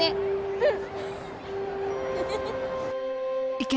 うん！